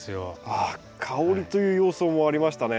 あっ香りという要素もありましたね。